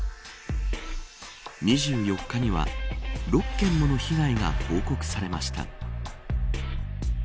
２４日には６件もの被害が報告されました。